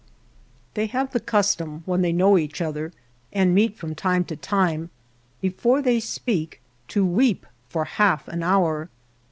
They have the custom, when they know each other and meet from time to time, before they speak, to weep for half an hour.